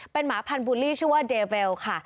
เป็นหมาพันธ์บูลลี่ชื่อว่าเดเวลค่ะ